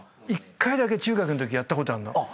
一回だけ中学んときやったことあんの。